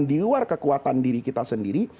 diluar kekuatan diri kita sendiri